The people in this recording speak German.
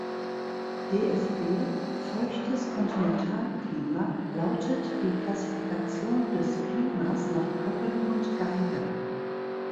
Dfb (feuchtes Kontinentalklima) lautet die Klassifikation des Klimas nach Köppen und Geiger.